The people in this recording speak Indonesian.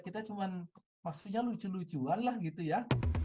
kita cuma maksudnya lucu lucuan lah gitu ya